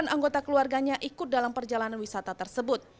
sembilan anggota keluarganya ikut dalam perjalanan wisata tersebut